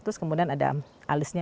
terus kemudian ada alisnya